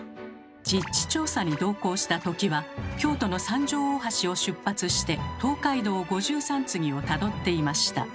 実地調査に同行した土岐は京都の三条大橋を出発して東海道五十三次をたどっていました。